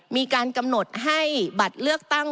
มีการกำหนดให้บัตรเลือกตั้ง